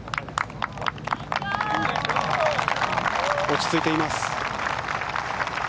落ち着いています。